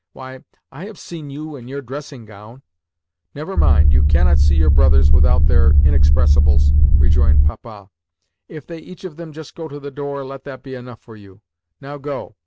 "Why, I have seen you in your dressing gown." "Never mind; you cannot see your brothers without their inexpressibles," rejoined Papa. "If they each of them just go to the door, let that be enough for you. Now go.